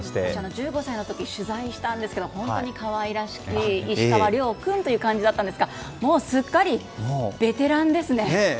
１５歳の時取材したんですけど本当に可愛らしい石川遼君という感じだったんですがもうすっかりベテランですね。